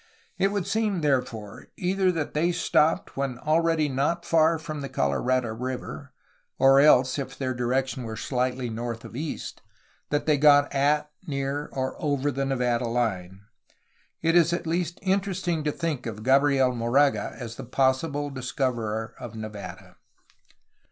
It would seem, therefore, either that they stopped when already not far from the Colorado River, or else (if their direction were slightly north of east) that they got at, near, or over the Nevada line; it is at least interesting to think of Gabriel Moraga as the possible discoverer of Nevada.